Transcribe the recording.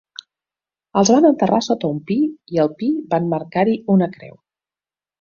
Els van enterrar sota un pi i al pi van marcar-hi una creu.